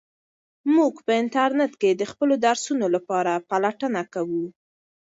موږ په انټرنیټ کې د خپلو درسونو لپاره پلټنه کوو.